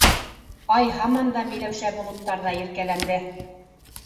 Ай һаман да миләүшә болоттарҙа иркәләнде.